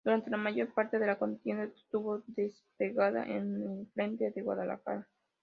Durante la mayor parte de la contienda estuvo desplegada en el frente de Guadalajara.